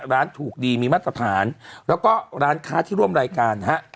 ร้านถูกดีมีมาตรฐานแล้วก็ร้านค้าที่ร่วมรายการฮะ